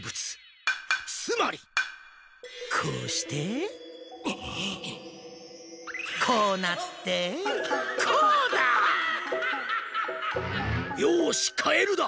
つまり！こうしてこうなってこうだ！よしカエルだ。